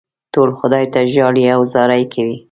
ټول خدای ته ژاړي او زارۍ کوي.